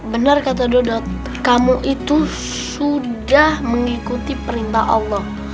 benar kata dodot kamu itu sudah mengikuti perintah allah